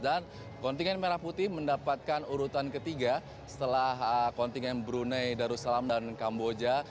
dan kontingen merah putih mendapatkan urutan ketiga setelah kontingen brunei darussalam dan kamboja